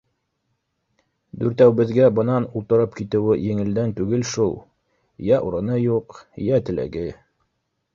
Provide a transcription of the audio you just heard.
Дүртәүбеҙгә бынан ултырып китеүе еңелдән түгел шул: йә урыны юҡ, йә теләге.